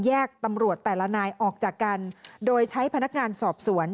ตำรวจแต่ละนายออกจากกันโดยใช้พนักงานสอบสวน